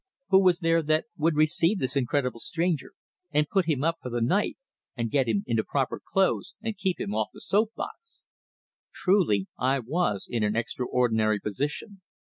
Who was there that would receive this incredible stranger, and put him up for the night, and get him into proper clothes, and keep him off the soap box? Truly, I was in an extraordinary position!